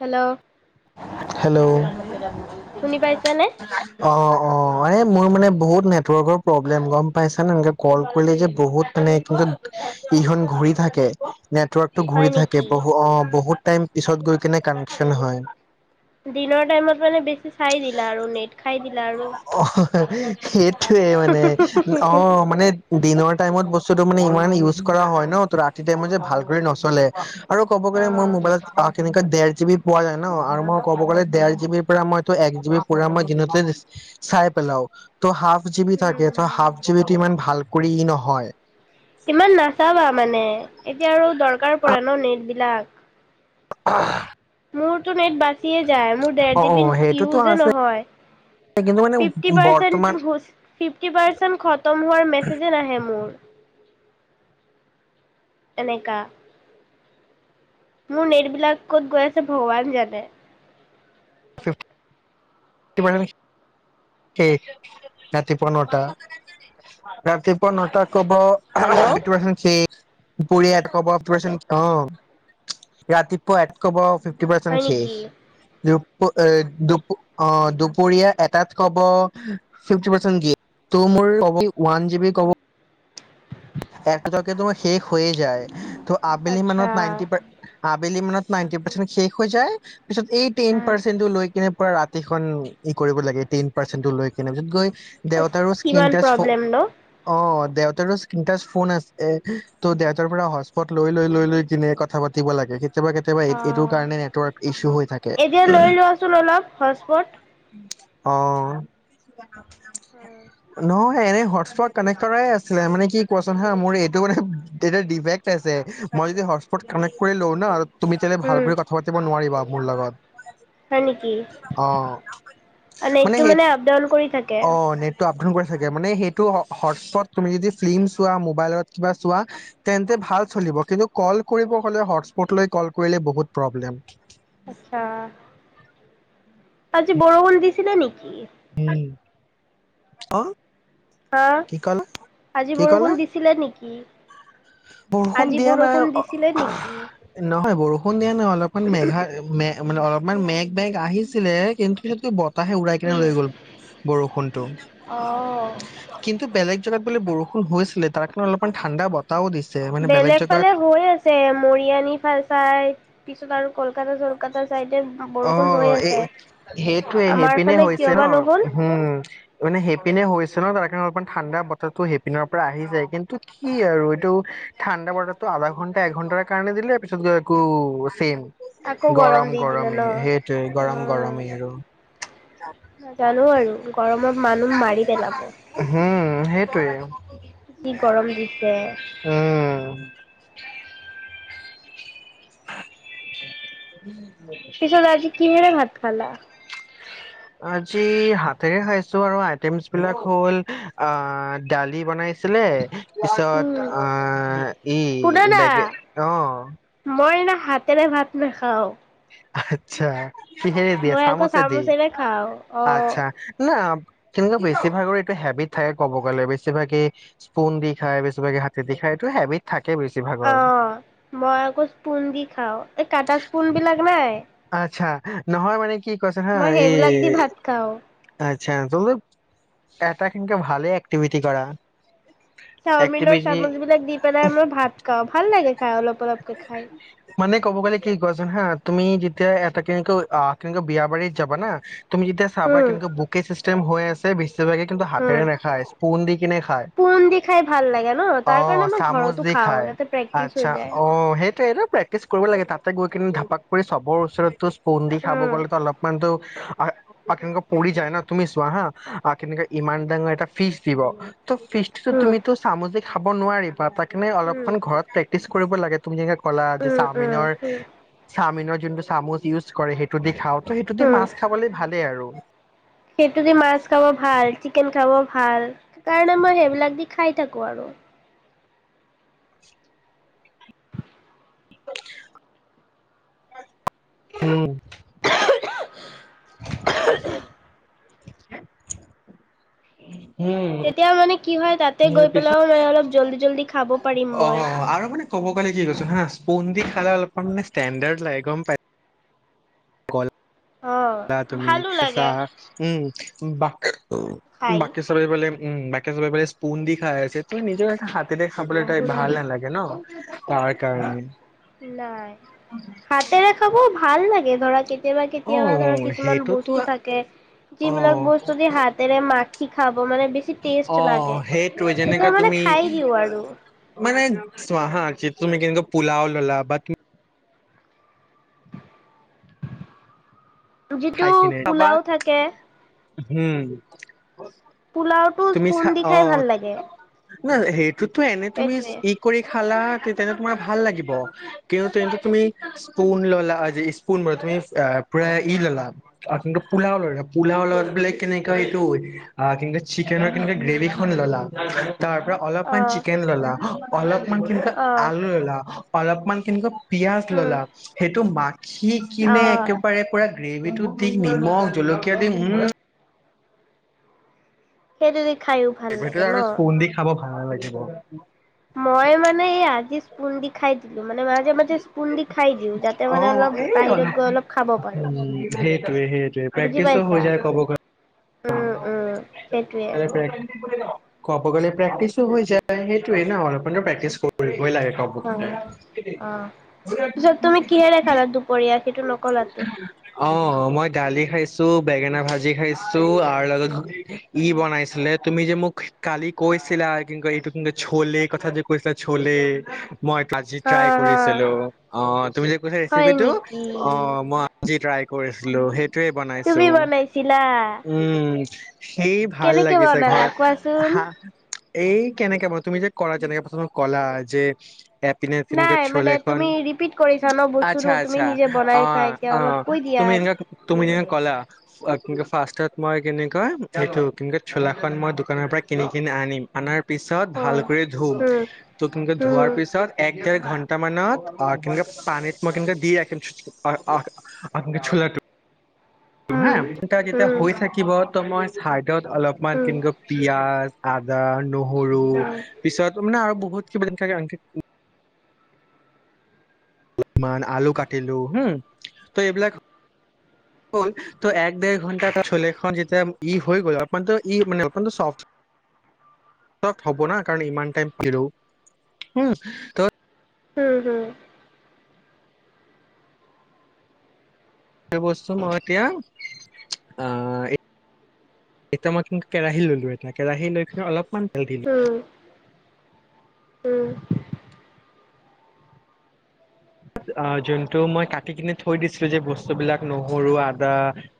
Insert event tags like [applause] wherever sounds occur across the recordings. Hello hello শুনি পাইছানে? অঁ, অঁ। অ এ মোৰ মানে বহুত নেটৱৰ্কৰ প্ৰব্লেম গম পাইছানে যে কল কৰিলে যে বহুত মানে কি ইখন ঘৰি থাকে। নেটৱৰ্কতটো হয় ঘূৰি থাকে নেকি? বহু অ বহুত টাইম পিছত গৈ কিনে কানেকশ্যন হয়। দিনৰ টাইমত মানে বেছি চাই দিলা আৰু নেট খাই দিলা আৰু। অঁ সেইটোয়ে মানে, অঁ মানে দিনৰ টাইমত বস্তুটো মানে ইমান ইউজ কৰা হয় ন ত ৰাতি টাইমত যে ভালকৰি নচলে। আৰু ক'ব গ'লে মোৰ অ', মোবাইলত কেনেকোৱা দেৰ জি বি পোৱা যায় ন আৰু মই ক'ব গ'লে ডেৰ জিবিৰ পৰা মই ত একজিবি পোৰা মই দিনততে চাই পেলাও। তো হাফ জি বি থাকে, ত' উম। হাফ জি বি টো ইমান ভাল কৰি নহয়। ইমান নাচাবা মানে। এতিয়া আৰু দৰকাৰ পৰে ন নেট লাগ [unintelligible] মোৰটো নেট বাচিয়ে যায় মোৰ দেৰ অ অ জিবি সেইটোতো ইউজ এ আছে নহয়, কিন্তু মানে ফিফটি বৰ্তমান পাৰচেণ্ট খতম হোৱাৰ মেচেজ এ নাহে মোৰ। এনেকা। মোৰ নেটবলাক ক'ত গৈ আছে ভগৱান জানে। [unintelligible] [unintelligible] সেই ৰাতি পোৱা নটা, ৰাতি পোৱা নটাত ক'ব [unintelligible] হেল্ল' পুৰ [unintelligible] ৰাতিপুৱা [unintelligible] ফিফটি পাৰচেন্ত হয় শেষ। নেকি? এ দু অ দুপৰীয়া এটাত কব ফিফতি পাৰচেণ্ট [unintelligible] মোৰ ক'ব ৱান জীবি কব একে জকে তোমাৰ শেষ হৈয়ে যায়। ত আবেলি মানত নাইন টি পাৰ আচ্ছা। আবেলি মানত নাইনটি পাৰ্চেণ্ট শেষ হৈ যায় পিছত এই টেন পাৰ্চেন্টো লৈ কিনে ৰাতিখন ই কৰিব লাগে টেন পাৰ্চেনটো লৈ কিনে পিছত গৈ দেউতাৰো স্কিন কিমান টাচ প্ৰব্লেম ন অ দেউতাৰৰো স্কিন ট্তাছ ফোন আছে এ ত দেউতাৰ পৰা হচ পট লৈ লৈ লৈ- লৈ কিনে কথা পাতিব লাগে। কেতিয়াবা কেতিয়াবা এই এইটোৰ অ', কাৰণে নেটৱৰ্ক ইচু হৈ থাকে। এতিয়া লৈ লোৱাচোন অলপ হটস্পট অঁ নহ এ এনে হটচ স্পট কানেক্ট কৰাই আছিলে মানে কি কোৱাচোন হা মোৰ এইটো মানে এ ডিফেক্ট আছে, মই যদি হট্ স্পট কানেক্ত কৰি লও ন তুমি তেনে ভাল উম কৰি কথা পাতিব নোৱাৰিবা। মোৰ লগত। হয় নেকি, অ অ নেতটো মানে আপ ডাউন কৰি থাকে। অ নেটটো আপ ডাউন কৰি থাকে, মানে সেইটো হটস্পট তুমি যদি ফিল্মচ ফিল্ম চোৱা, মোবাইলত কিবা চোৱা তেন্তে ভাল চলিব, কিন্তু কল কৰিব হলে হট্ স্পট লৈ কল কৰিলে বহুত প্ৰব্লেম। আচছা, আজি বৰষুণ দিছিলে নেকি। উম, অ? হা, কি ক'লা আজি কি ক'লা বৰষুণ দিছিলে নিকি। বৰষুণ দিয়া নাই, অ দিছিলে নেকি নহয় বৰষুণ [unintelligible] অলপমান মেঘ অকমান মেঘ মেঘ আহিছিলে, কিন্তু সেপিনে তাহে উৰাই কিনে উম লৈ গ'ল বৰষুণটো, অ কিন্তু বেলেগ জেগাত বোলে বৰষুণ হৈছিলে, তাৰ কাৰণে অলপমান ঠাণ্ডা ব বেলেগ ফালে হৈ আছে, মৰিয়নী ফাল চাইড পিছত আৰু কলকাতা য অঁ এই সেইটোৱে আমাৰ সেইপিনে ফালে হৈছে কিয় ন, বা নহ'ল উম মানে সেইপিনে হৈছে ত কাৰণে অলপমান ঠাণ্ডা বতাৰটো সেইপিনৰ পৰা আহি যায় কিন্তু কি আৰু এইটো ঠাণ্ডা বতৰটো আধা ঘণ্টা এঘণ্টাৰ কাৰণে দিলে পিছত গৈ আকৌ ছেম। আকৌ গৰম দি দিলে ন গৰমেই সেইটোৱে, অ গৰম গৰমেই আৰু। নাজানো আৰু গৰমত মানুহ মাৰি পেলাব। উম উম সেইটোৱে। যি গৰম দিছে উম [inaudible] পিছত আজি কিহে ভাত খালা। আজি হাতেৰে খাইছো আৰু আইটেমছ বিলাক হ'ল আহ দালি বনাইছিলে। উম পিছত আহ ই শুনা না বেগে অ। মই না হাতেৰে ভাত নখাও। আচ্ছা। কিহেৰেদিয়ে আকৌ চামুচেদি চামুচেৰে খাওঁ অ আচ্ছা না। কিন্তু বেছিভাগৰ এইটো হেবিট থাকে ক'ব গ'লে বেছিভাগে স্পোন দি খায় বেছিভাগে হাতে দি খায় এইটো হেবিট থাকে। অ বেছিভাগৰ মই আকৌ স্পোন দি খাও এই কাটা স্পোন বিলাক নাই? আচ্ছা নহয় মানে কি? কি কৈছে হা মই এই সেইবিলাক দি ভাত খাওঁ আ। আচ্ছা তো এটাতকে ভালে এক্টিভিটি কৰা। চাওমিনৰ এক্টিভিটি চামুচ বিলাক দি পেলাই মই ভাত খাঁও। ভাল লাগে। খাই অলপ অলপকে খায়। মানে কব গ'লে কি কোৱাচোন হা তুমি যেতিয়া এটা কিন্তু বিয়াবাৰী যাবা না। তুমি যেতিয়া চাবা উম কিন্তু বুকে। যি টাইম হৈ আছে বেছি। চবকে কিন্তু উম হাতেৰে নেখায় স্পোন দি কিনে খায় পুৰণ দি খাই ভাল লাগে ন অ তাৰ কাৰণে মই চামুচ ঘৰতো দি খাওঁ খায় যাতে প্ৰেক্টিচ আচ্ছা। হৈ যায়। অ সেইটোয়ে ন। প্ৰেক্টিছ কৰিব লাগে তাতে গৈ কিনে ধাপাক কৰি চবৰ ওচৰতো। কুন্দি দি খাব উম গ'লেতো অলপমানতো। আহ কেনেকুৱাকেপৰি যায় ন তুমি চোৱা হা কেনেকে ইমান ডাঙৰ এটা ফিচ দিব। ত ফিষ্ট টো উম তুমি চামোজে। খাব নোৱাৰি তাৰ পাক। তুমি উম অলপমান ঘৰত প্ৰেক্টিচ। কৰিব লাগে তুমিয়েই। কলা যি উম চাওমিনৰ উম উম চাওমিনত। যোনটো চামুচ ইউজ কৰে সেইটো দি খাওঁ। ত সেইটোতে উম মাছ খাবলে ভালেই আৰু সেইটো দি মাছ খাব ভাল চিকেন খাব ভাল সেই কাৰণে মই সেইবিলাক দি খাই থাকো আৰু উম। দিয়ে চেলাই শ? উ তেতিয়া মানে কি হয় তাতে গৈ তাৰপিছত পেলাইও মানে অলপ জল্দি জল্দি খাব পাৰিম মই। অ' আৰু মানে ক'ব গ'লে কি কৈছো হা, স্পন দি খালে অলপমান ষ্টেডাৰ্ লাগে, গম পাই কল অ যা ভালো তুমিছা লাগে [unintelligible] উম বাক খাই বাকি চবে বোলে উম বাকী চবে বোলে স্পুন দি খাই আছে তুম নিজৰ এটা হাতেৰে খাবলৈ তাই ভাল খুন্দি নালাগে ন। তাৰ কাৰনে নাই, হাতেৰে খাব ভাল লাগে ধৰা কেতিয়াবা কেতিয়াবা ধৰ অ' কিছুমান সেইটোতো বস্তু থাকে, যিবিলাক বস্তু দি হাতেৰে মাখি শি খাব মানে বেছি টেষ্ট অঁ, লাগে। সেইটোৱে তেতিয়া যেনেকা মানে তুমি, খাই দিওঁ আৰু মানে চোৱা বা যে তুমি কেনকা পুলও ললা, বা যিটো পোলাও থাকে হঁম। পোলাওটো স্পোন দি খাই ভাল লাগে। ন সেই তো, এনে তুমি সেইটোৱে ই কৰি খালা তেন্ত তোমাৰ ভাল লাগিব, কিয়তু তেন্ত তুমি স্পুন ললা, স্পুন ব, তুমি পুৰা, ই ল'লা কিন্তু পোলাও ললা, পোলাও বোলে কেনেককাা এইটো, আহ কিন্ত চিকেনৰ কেনে গ্ৰেভিখন ললা তাৰ পৰা অ অলপমান চিকেন ল'লা অলপ মানে কিন্ত অ আলু এলা অলপমান কেনেকা পিয়াজ উম ললা, সেইটো মাত সি অ কিনে একেবাৰে পুৰা টো দি নিমখ জলকীয়া দিম উম হেইটো দি খায়ো ভাল সেইটো লাগে আৰু নহ, স্পুন দি খাব ভাল লাগিব মই মানে এই আজি স্পুন দি খাই দি মানে মাজে মাজে স্পুণ দি খাই দিওঁ, যাতে অ মানে অলপ এই বাহিৰত গৈ অলপ খাব পাৰো। উম সেইটোৱে সেইটোৱে বুজি প্ৰেক্টিচো হৈ পাইছা যায় কব উম উম সেইটোৱে ক'ব গ'লে প্ৰেক্টিচো হৈ যায় সেইটোৱে নহ, অলপমান প্ৰেক্টিচ কৰিবই লাগে। কব অহ পিছত তুমি কিহেৰে খালা দুপৰীয়া সেইটো নকলাতো? অহ মই দালি খাইছো, বেঙেনা ভাজি খাইছো, আৰু লগত ইহ বনাইছিলে তুমি যে মোক কালি কৈছিলা, কিন্তু এইটো চলে কথা‌ যে কৈছে যে চলে মই হা টিয়াই হা কৰিছিলো অহ তুমি যে কৈছিলা হয় ৰেচিপিটো নেকি অহ মই আজি টিৰাই কৰিছিলো সেই ভাতে বনাইছো তুমি বনাইছিলা উম সেই ভাল কেনেকে লাগিছে ঘৰ বনালা কোৱাচোন হা এই কেনেকে মানে তুমি যে কৰা যেনেকে প্ৰথম কলা যে নে নাই চলে মানে এখন, তুমি ৰিপিট কৰিছা ন বস্তুটো আচ্ছা তুমি আচ্ছা নিজে বনাইছা অহ এতিয়া অলপ অহ, কৈ দিয়া তুমি এনে তুমি উম যেনে কলা ফাৰ্ষ্টত মই কেনেকৈ এইটো কেক চোলাখন মই দোকানৰ পৰা কিনি কিনি আনিম। আনাৰ পিছত অ ভালকৈ ধুম‌ উম কিন্তু উম ধোৱাৰ পিছত কেই ঘন্টা মানত‌ কিন্তু পানীত মই কেনে দি ৰাখিম অহ চলাটো কৰিম হা উম তাৰ উম যেতিয়া উম হৈ থাকিব তহ মই হাৰ্ট [unintelligible] উম অলপমান কিন্তু উম পিয়াজ আদা নহৰু পিছাটো মানে আৰু বহুত কিবাকে [unintelligible] অলপমান আলু কাটিলো হম, ত' এইবিলাক হল, এক দেৰ ঘণ্টা চলেখন যেতিয়া ই হৈ গল, অলপ মানতু ই মান, অলপমানতু চফ হব ন, কাৰণ ইমান টাইম ফৰো, হম' উম হম। বস্তু মই এতিয়া, আহ, এতিয়া মই কি কেৰাহী ললো, এতিয়া কেৰাহী লৈ কিনে অলপমান েল থ [unintelligible] উম উম। আ যোনটো মই কাটি কিনে থৈ দিছিলো যে বস্তুবিলাক, নহৰু, আদা,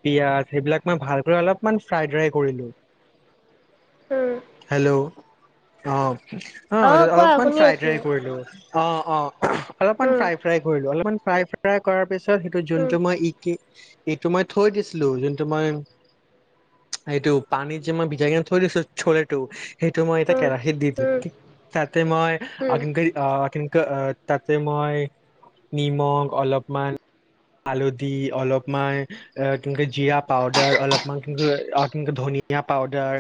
পিয়াজ, সেইবিলাক মই ভালক অলপমান ফ্ৰাইড ৰাই কৰিলো, উম হেল্ল', অ অ' কোৱা অলপমান শুনি ফ্ৰাইড আছো ৰাই কৰিলো, অ'-অ', অলপমান উম ফ্ৰাই ফ্ৰাই কৰিলো, অলপমান ফ্ৰাই ফ্ৰাই কৰা পিছত, সেইটো জোন্তু টমেটো মই ই'কি এইটো মই থৈ দিছিলো, যোনটো মই, এইটো পানীত যে মই বিজাই কিনে থৈ দিছিলো চলেটো, সেইটো মই এটা কেৰাহিতত দি দিলো, তাতে মই ক'ক, আহ, তাতে মই নিমখ, অলপমান হালধি, অলপমান কিকে জিৰা পাউদাৰ, অলপমান কি কয় ধনিয়া পাউদাৰ,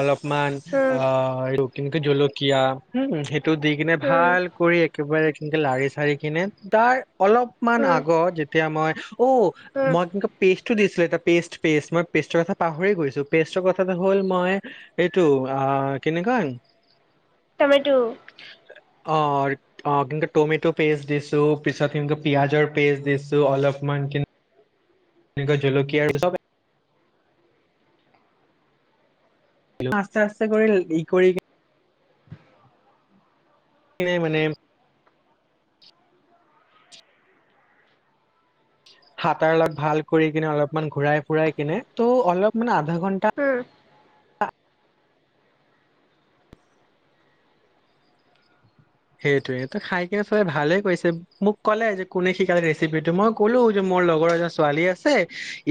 অলপ কিমান, অ' কেনেকে জলকীয়া, উম, সেইটো দি কিনে, ভাল কৰি একেবাৰে কেনেকে লাৰি চাৰি কিনে, তাৰ অলপমান আগত, যেতিয়া মই অ' মই পেষ্টটো দিছিলোঁ, এটা পেষ্ট পেষ্ট। মই পেষ্টৰ কথা পাহৰি গৈছোঁ। পেষ্টৰ কথাটো হ'ল, মই এইটো আঁ কেনেকৈ টমেটোটো। অ', অকে টমেট পেষ্ট দিছো পিছত সনেকে পিয়াজৰ পেষ্ট দিছো অলপমান এক জুলুকীয়া আৰু চব আস্তে আস্তে কৰি ই কৰি কিনে মানে হাতাৰ লগ ভাল কৰি কিনে অলপমান ঘুৰাই ফুৰাই কিনে ত' অলপ মানে আধা ঘন্টা উম। সেইটোৱে ত' খাই কিনে, চবে ভালে কৈছে। মোক ক'লে যে কোনে শিকালে ৰেচিপিটো? মই ক'লোঁ যে, মোৰ লগৰ এজনী ছোৱালী আছে,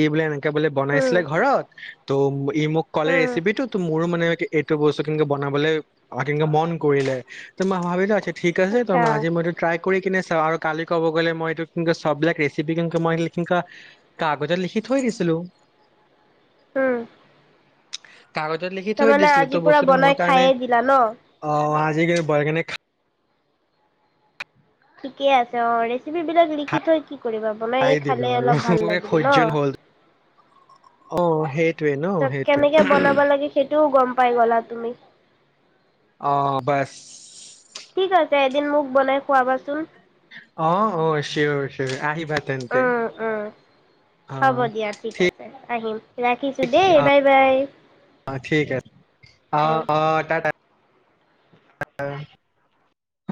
এইবিলাক এ তে বোলে বনাইছিলে ঘৰত ত ই মোক কলে ৰেচিপি টো ত মোৰো মানে এইটো বস্তু কিনে বনাবলৈ কেকে মন কৰিলে ত মই ভাব [unintelligible] ঠিক আছে তোম আচ্ছা আজি মইতো ট্ৰাই কৰি কিনে আৰু কালি ক'ব গ'লে মই এইটো কিন্তু চব বিলাক ৰেচিপি কিন্তু মই কিখিকা কাগজত লিখি থৈ দিছিলো। উম। কাগজত লিখি থৈ দিছিলো আজি তো পুৰা বস্তুটো মোৰ বনাই কাৰণে, খায়ে দিলা ন অ আজিকে বনাই কিনে খা ঠিকে আছে অ', ৰেচিপি বিলাক লিখি খাই থৈ কি কৰিব বনাই এই দিলো খালে আৰু অলপ ভাল মোৰ লাগিবি সহ্য ন? নহ'ল অ', সেই তাৰপিছত কেনেকে বনাব লাগে সেইটোও গম প পাই গলা তুমি। অ', বাছ। ঠিক আছে এদিন মোক বনাই খুৱাবাচোন। অ', অ', চিঞৰ চিঞৰ আহিব উ, উ হ'ব দিয়া ঠিক আছে আহিম ৰাখিছো দেই অ' বাই বাই। ঠিক আছে উহ। আহ।